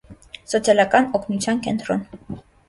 Սոցիալական օգնության կենտրոն։